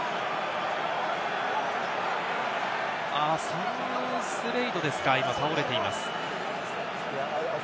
サム・スレイドですか、今、倒れています。